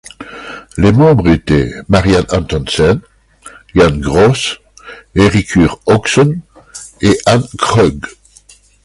Les membres étaient Marianne Antonsen, Jan Groth, Eiríkur Hauksson et Hanne Krogh.